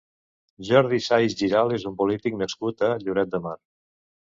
Jordi Sais Giralt és un polític nascut a Lloret de Mar.